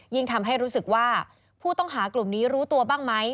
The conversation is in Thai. ทำให้รู้สึกว่าผู้ต้องหากลุ่มนี้รู้ตัวบ้างไหม